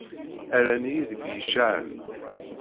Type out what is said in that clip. Rnan-iyi deg yicahen.